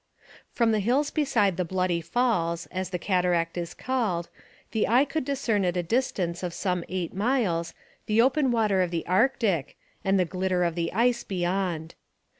From the hills beside the Bloody Falls, as the cataract is called, the eye could discern at a distance of some eight miles the open water of the Arctic and the glitter of the ice beyond.